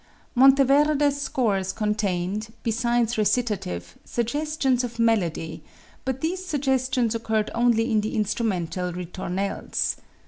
Monteverde's scores contained, besides recitative, suggestions of melody, but these suggestions occurred only in the instrumental ritornelles.